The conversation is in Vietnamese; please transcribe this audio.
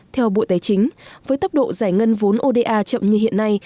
theo bộ tài chính với tốc độ giải ngân vốn oda chậm như hiện nay